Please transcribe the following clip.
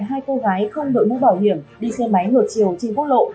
hai cô gái không đội mũ bảo hiểm đi xe máy ngược chiều trên quốc lộ